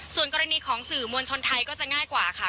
ส่วนกรณีของสื่อมวลชนไทยก็จะง่ายกว่าค่ะ